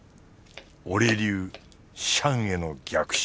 俺流シャンへの逆襲